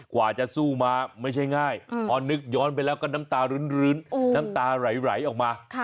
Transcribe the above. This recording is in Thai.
กว่าจะสู้มาไม่ใช่ง่ายพอนึกย้อนไปแล้วก็น้ำตารื้นน้ำตาไหลออกมา